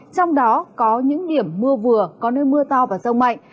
trong đó có những điểm mưa vừa có nơi mưa to và rông mạnh